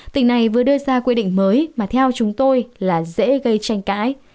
tỉnh này vừa đưa ra quy định mới mà theo chúng tôi là dễ gây tranh cãi